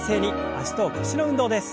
脚と腰の運動です。